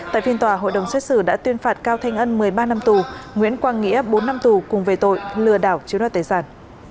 tại phiên tòa hội đồng xét xử đã tuyên phạt cao thanh ân một mươi ba năm tù nguyễn quang nghĩa bốn năm tù cùng về tội lừa đảo chiếm đoạt tài sản